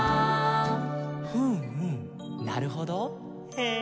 「ふむふむなるほどへえー」